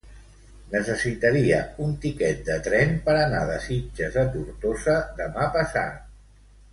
Necessitaria un tiquet de tren per anar de Sitges a Tortosa demà passat.